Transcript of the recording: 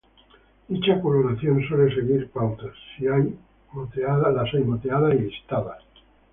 Dicha coloración suele seguir pautas: las hay moteadas y listadas.